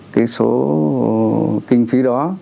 cái số kinh phí đó